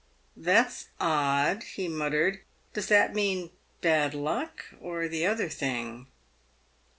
" That's odd," he muttered ;" does that mean bad luck or the other thing